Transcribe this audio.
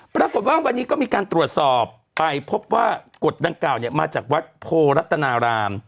ปรากฏว่าวันนี้ก็มีการตรวจสอบไปพบว่ากฎดังกล่าวมาจากวัดโพรัตนาราม